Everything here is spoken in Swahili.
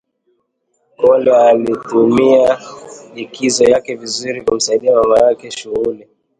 Kole alitumia likizo yake vizuri kumsaidia mama yake shughuli